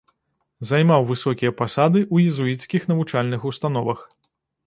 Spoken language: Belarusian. Займаў высокія пасады ў езуіцкіх навучальных установах.